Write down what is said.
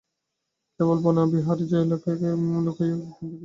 কেবল বনবিহারী জয়াকে লুকাইয়া একদিন দেখিয়া আসিল।